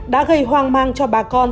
đã gây hoang mang cho bà con